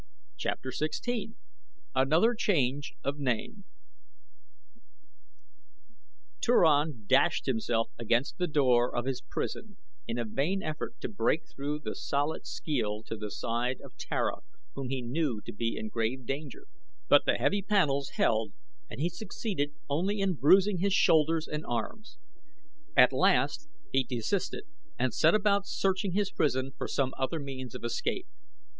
CHAPTER XVI ANOTHER CHANGE OF NAME Turan dashed himself against the door of his prison in a vain effort to break through the solid skeel to the side of Tara whom he knew to be in grave danger, but the heavy panels held and he succeeded only in bruising his shoulders and his arms. At last he desisted and set about searching his prison for some other means of escape.